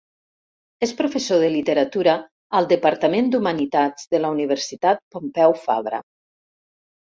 És professor de literatura al departament d’Humanitats de la Universitat Pompeu Fabra.